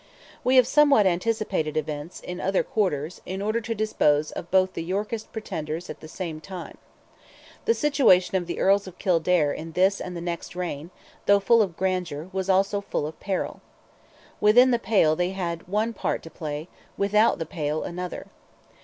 We have somewhat anticipated events, in other quarters, in order to dispose of both the Yorkist pretenders at the same time. The situation of the Earls of Kildare in this and the next reign, though full of grandeur, was also full of peril. Within the Pale they had one part to play, without the Pale another.